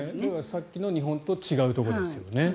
さっきの日本と違うところですよね。